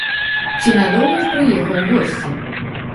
Ці надоўга ж прыехаў у госці?